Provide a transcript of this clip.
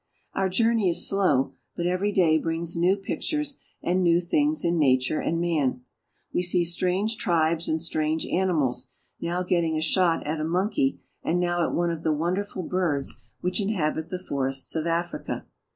Our journey is slow, but every day brings new pictures and new things in nature and man. We see strange tribes and strange animals, now getting a shot at a monkey and now at one of the wonderful birds which inhabit the forests of Africa.